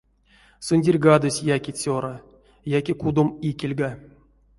Сундерьгадозь яки цёра, яки кудом икельга.